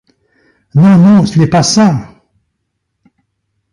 Non, non, ce n’est pas ça !